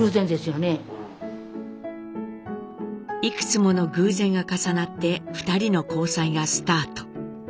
いくつもの偶然が重なって２人の交際がスタート。